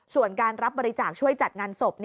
ส่วนการรับบริจาคช่วยจัดงานศพ